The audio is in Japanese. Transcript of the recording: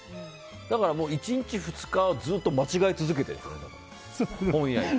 だから１日２日ずっと間違え続けてるんでしょうね